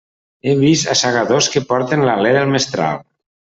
He vist assagadors que porten l'alé del mestral.